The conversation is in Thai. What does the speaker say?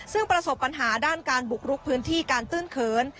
ซึ่งประสบปัญหาด้านการบุกรุกพื้นที่การตื้นเขิน